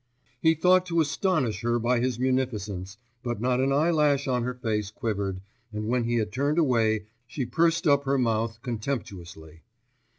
He thought to astonish her by his munificence, but not an eyelash on her face quivered, and when he had turned away, she pursed up her mouth contemptuously.